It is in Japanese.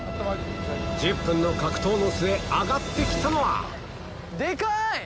１０分の格闘の末上がってきたのはでかい！